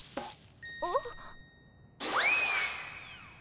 あっ。